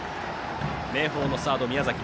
明豊のサード、宮崎。